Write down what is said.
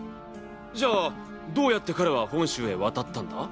じゃあどうやって彼は本州へ渡ったんだ？